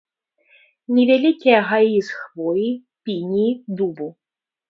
Невялікія гаі з хвоі, пініі, дубу.